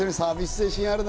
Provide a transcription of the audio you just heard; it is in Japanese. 精神あるね。